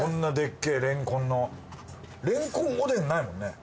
レンコンおでんないもんね？